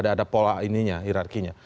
ada pola ini hierarkinya